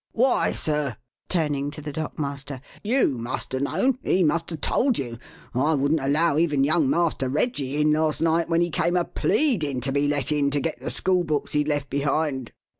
Why, sir" turning to the dock master "you must 'a' known; he must 'a' told you. I wouldn't allow even young Master Reggie in last night when he came a pleading to be let in to get the school books he'd left behind."